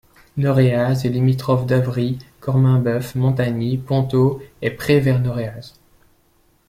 Noréaz est limitrophe d'Avry, Corminboeuf, Montagny, Ponthaux et Prez-vers-Noréaz.